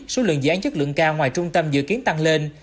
số lượng dán chất lượng cao ngoài trung tâm dự kiến tăng lên